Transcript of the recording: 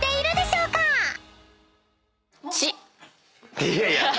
いやいや！